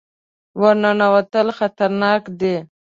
ور ننوتل خطرناک دي.